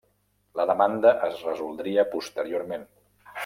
La demanda es resoldria posteriorment.